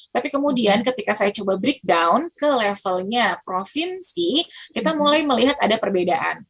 tapi kemudian ketika saya coba breakdown ke levelnya provinsi kita mulai melihat ada perbedaan